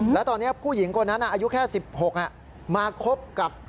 แล้วตอนนี้ผู้หญิงคนนั้นอายุแค่๑๖มาคบกับ